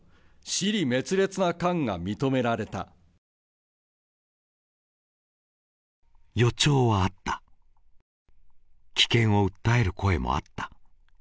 「支離滅裂な感が認められた」予兆はあった危険を訴える声もあった